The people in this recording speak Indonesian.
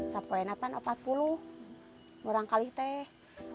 sampai enakan empat puluh kurang kali teh